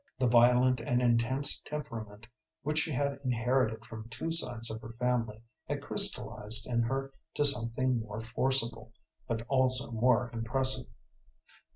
The violent and intense temperament which she had inherited from two sides of her family had crystallized in her to something more forcible, but also more impressive.